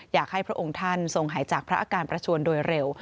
อยากให้พระองค์ท่านทรงหายจากพระอาการประชวนโดยเร็ว